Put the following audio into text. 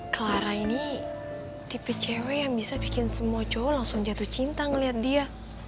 clara ini tipe cw yang bisa bikin semua cowok langsung jatuh cinta melihat dia